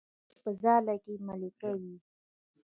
د مچۍ په ځاله کې ملکه وي